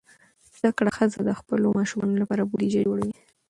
زده کړه ښځه د خپلو ماشومانو لپاره بودیجه جوړوي.